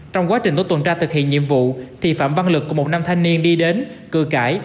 trong quá trình tổ tuần tra thực hiện nhiệm vụ thì phạm băng lực của một năm thanh niên đi đến cười cãi